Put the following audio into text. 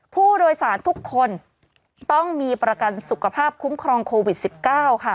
ผู้โดยสารทุกคนต้องมีประกันสุขภาพคุ้มครองโควิด๑๙ค่ะ